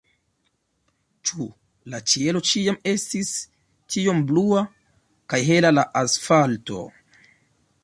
Ĉu la ĉielo ĉiam estis tiom blua, kaj hela la asfalto?